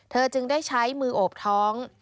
จึงได้ใช้มือโอบท้อง